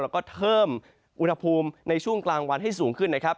แล้วก็เพิ่มอุณหภูมิในช่วงกลางวันให้สูงขึ้นนะครับ